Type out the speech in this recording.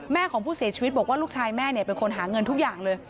ของผู้เสียชีวิตบอกว่าลูกชายแม่เป็นคนหาเงินทุกอย่างเลย